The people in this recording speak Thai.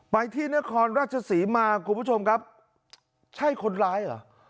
ไปที่นครราชศรีมาคุณผู้ชมครับใช่คนร้ายเหรอ